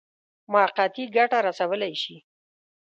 موقتي ګټه رسولای شي.